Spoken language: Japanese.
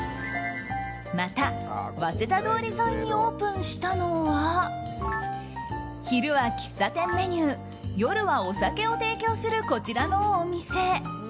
また早稲田通り沿いにオープンしたのは昼は喫茶店メニュー夜はお酒を提供するこちらのお店。